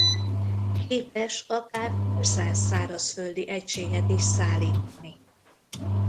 Képes akár több száz szárazföldi egységet is szállítani.